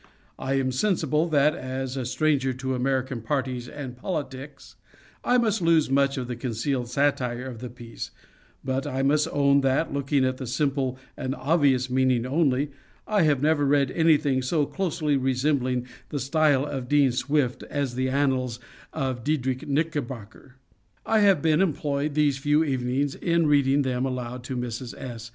I am sensible that, as a stranger to American parties and politics, I must lose much of the concealed satire of the piece, but I must own that, looking at the simple and obvious meaning only, I have never read anything so closely resembling the style of Dean Swift as the annals of Diedrich Knickerbocker. I have been employed these few evenings in reading them aloud to Mrs. S.